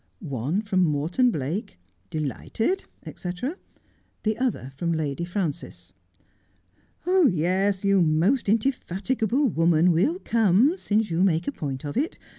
One from Morton Blake, ' delighted,' &c, the other from Lady Frances. ' Yes, you most indefatigable woman, we'll come, since you make a point of it.